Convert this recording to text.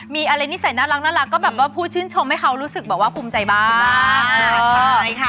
มีอะไรนิสัยน่ารักก็แบบว่าพูดชื่นชมให้เขารู้สึกแบบว่าภูมิใจบ้าง